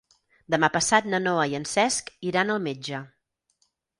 Demà passat na Noa i en Cesc iran al metge.